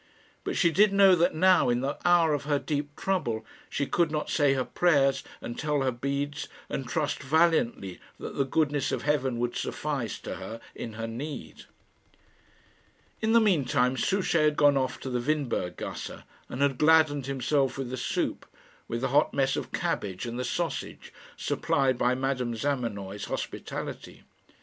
But she did know that now, in the hour of her deep trouble, she could not say her prayers and tell her beads, and trust valiantly that the goodness of heaven would suffice to her in her need. In the mean time Souchey had gone off to the Windberg gasse, and had gladdened himself with the soup, with the hot mess of cabbage and the sausage, supplied by Madame Zamenoy's hospitality.